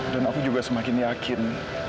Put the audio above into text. dan aku juga semakin yakin